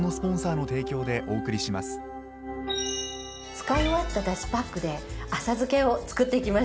使い終わっただしパックで浅漬けを作っていきましょう。